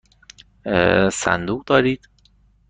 صندوق دارید؟